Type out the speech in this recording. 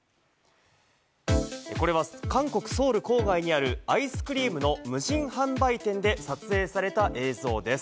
これは韓国・ソウルの郊外にあるアイスクリームの無人販売店で撮影された映像です。